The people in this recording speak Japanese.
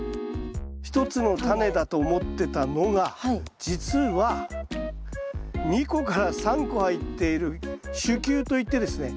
１つのタネだと思ってたのが実は２個３個入っている種球といってですね